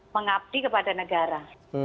mengabdi kepada negara